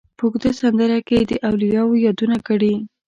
په اوږده سندره کې یې د اولیاوو یادونه کړې.